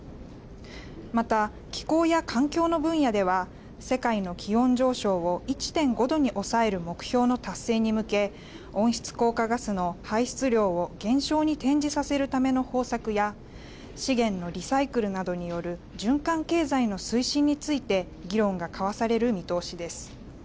また気候や環境の分野では世界の気温上昇を１．５度に抑える目標の達成に向け温室効果ガスの排出量を減少に転じさせるための方策や資源のリサイクルなどによる循環経済の推進について議論が交わされる見通しです。